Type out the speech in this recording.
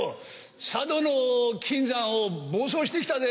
佐渡の金山を暴走して来たぜ。